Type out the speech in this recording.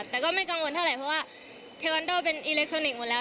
แต่ก็ไม่กังวลเท่าไหร่เพราะว่าเทวันโดเป็นอิเล็กทรอนิกส์หมดแล้ว